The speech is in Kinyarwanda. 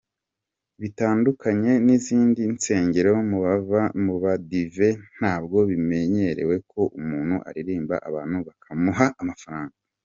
Bitandukanye n’izindi nsengero, mu badive ntabwo bimenyerewe ko umuntu aririmba abantu bakamuha amafaranga.